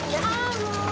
もう。